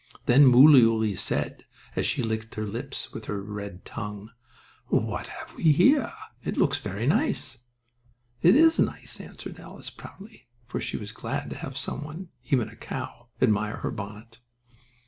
Then Mooleyooly said, as she licked her lips with her red tongue: "What have we here? It looks very nice." "It is nice," answered Alice proudly, for she was glad to have some one, even a cow, admire her bonnet.